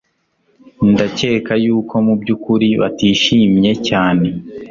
ndakeka yuko mubyukuri batishimye cyane